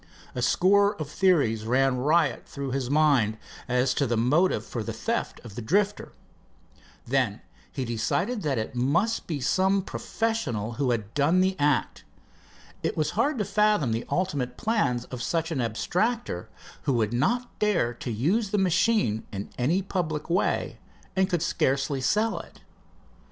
A score of theories ran riot through his mind its to the motive for the theft of the Drifter. Then he decided that it must be some professional who had done the act. It was hard to fathom the ultimate plans of such an abstractor, who would not dare to use the machine in any public way and could scarcely sell it.